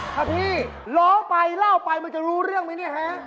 ค่ะพี่เหลาไปเล่าไปมันจะรู้เรื่องไหมนี่แฮะ